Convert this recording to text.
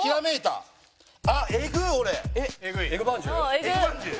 エグまんじゅう。